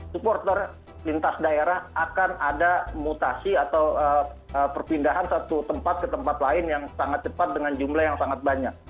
supporter lintas daerah akan ada mutasi atau perpindahan satu tempat ke tempat lain yang sangat cepat dengan jumlah yang sangat banyak